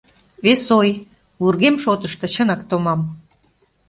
Вес ой: вургем шотышто чынак томам.